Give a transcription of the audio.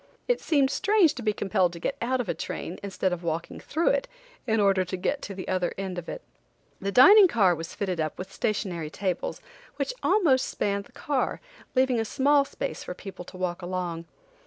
It seemed strange to be compelled to get out of a train, instead of walking through it, in order to get to the other end of it. The dining car was fitted up with stationary tables which almost spanned the car, leaving a small space for people to walk along.